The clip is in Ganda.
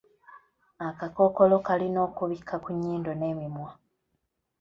Akakookolo kalina okubikka ku nnyindo n’emimwa.